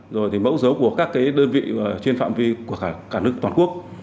rồi thì mẫu dấu của các cái đơn vị trên phạm vi của cả nước toàn quốc